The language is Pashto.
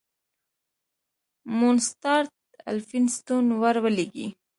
مونسټارټ الفینستون ور ولېږی.